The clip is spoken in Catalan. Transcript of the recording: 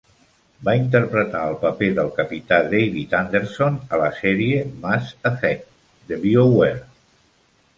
Va interpretar el paper del capità David Anderson a la sèrie "Mass Effect" de BioWare.